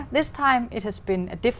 một hệ thống bảo vệ